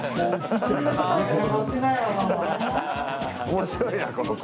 面白いな、この子。